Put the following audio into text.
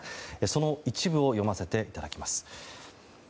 その一部を読ませていただきます。